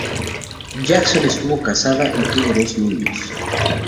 Jackson estuvo casada y tuvo dos niños.